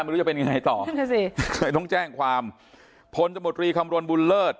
ไม่รู้จะเป็นยังไงต่อต้องแจ้งความผลตมตรีคำรวณบุญเลิศ